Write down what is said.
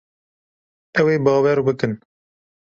Ew ê bawer bikin.